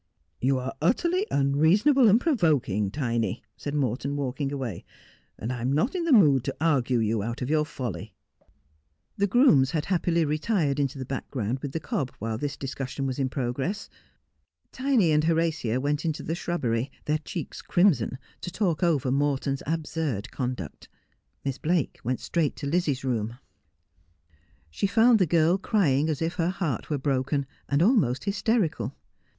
' You are utterly unreasonable and provoking, Tiny,' said Morton, walking away, ' and I am not in the mood to argue you out of your folly.' The grooms had happily retired into the background with the cob while this discussion was in progress. Tiny and Horatia went into the shrubbery, their cheeks crimson, to talk over Morton's absurd conduct. Miss Blake went straight to Lizzie's room. She found the girl crying as if her heart wore broken and almost hysterical. 296 Just as I Am.